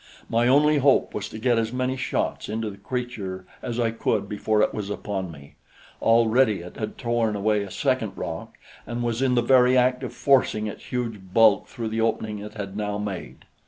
My only hope was to get as many shots into the creature as I could before it was upon me. Already it had torn away a second rock and was in the very act of forcing its huge bulk through the opening it had now made.